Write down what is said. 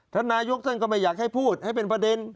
ท่านนายกท่านก็ไม่อยากให้พูดให้เป็นประเด็น